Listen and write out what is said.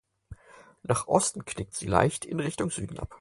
Nach Osten knickt sie leicht in Richtung Süden ab.